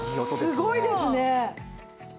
すごいですね。